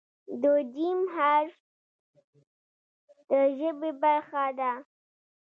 د "ج" حرف د ژبې برخه ده.